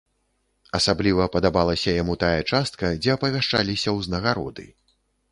Асабліва падабалася яму тая частка, дзе апавяшчаліся ўзнагароды.